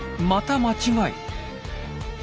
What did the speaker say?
また間違い。